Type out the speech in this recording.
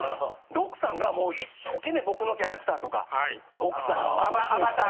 で奥さんが一生懸命僕のキャラクターとか奥さん娘２人。